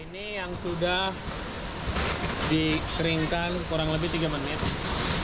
ini yang sudah dikeringkan kurang lebih tiga menit